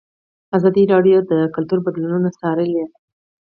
ازادي راډیو د کلتور بدلونونه څارلي.